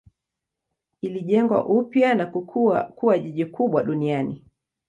Ilijengwa upya na kukua kuwa jiji kubwa duniani.